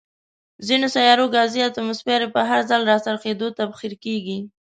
ځینو سیارو ګازي اتموسفیر یې په هر ځل راڅرخېدو، تبخیر کیږي.